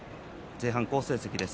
前半、好成績です。